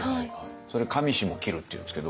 それ「上下を切る」っていうんですけど。